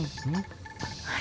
yaudah yuk jalan